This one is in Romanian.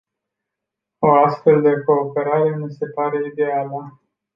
O astfel de cooperare mi se pare ideală.